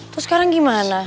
terus sekarang gimana